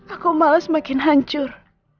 aku malas semakin hancur